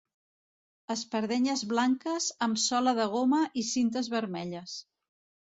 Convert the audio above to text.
Espardenyes blanques amb sola de goma i cintes vermelles.